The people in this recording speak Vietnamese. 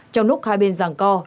trong lúc hai bên giảng công